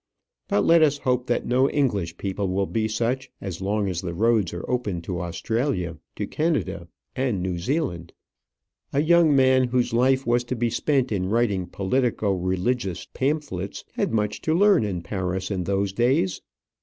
But let us hope that no English people will be such as long as the roads are open to Australia, to Canada, and New Zealand. A young man whose life was to be spent in writing politico religious pamphlets had much to learn in Paris in those days.